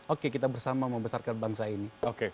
oke kita bersama membesarkan bangsa ini